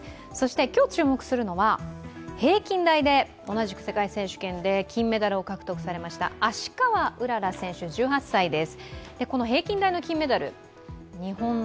今日注目するのは、平均台で同じく世界選手権で金メダルを獲得されました芦川うらら選手１８歳です。